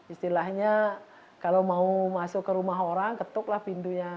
istilahnya kalau mau masuk ke rumah orang ketuklah pintunya